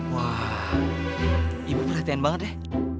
wah ibu perhatian banget deh